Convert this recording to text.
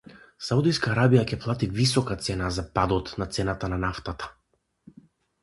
Саудиска Арабија ќе плати висока цена за падот на цената на нафтата